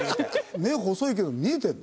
目細いけど見えてるの？